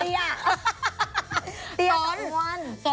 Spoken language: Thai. เรียกเตี้ยก็ไม่ฟลายหรอกจริงแล้ว